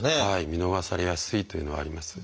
見逃されやすいというのはあります。